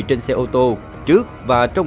trên xe ô tô trước và trong